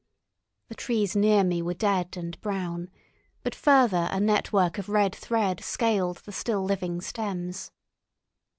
The trees near me were dead and brown, but further a network of red thread scaled the still living stems.